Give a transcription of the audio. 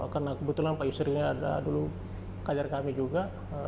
karena kebetulan pak yusri ini ada dulu kajar kami juga